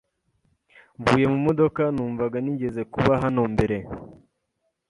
Mvuye mu modoka, numvaga nigeze kuba hano mbere.